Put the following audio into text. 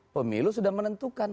pemilu sudah menentukan